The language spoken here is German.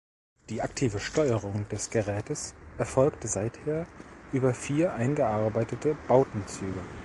Die aktive Steuerung des Gerätes erfolgt seither über vier eingearbeitete Bowdenzüge.